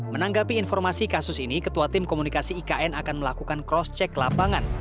menanggapi informasi kasus ini ketua tim komunikasi ikn akan melakukan cross check lapangan